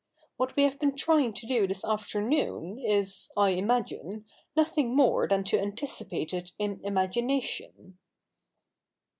AVhat we have been trying to do this afternoon is, I imagine, nothing more than to anticipate it in imagination."